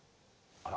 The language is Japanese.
あら。